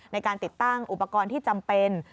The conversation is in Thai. ในการติดตั้งอุปกรณ์ที่จำเป็น